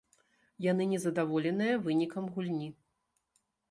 Яны незадаволеныя вынікам гульні.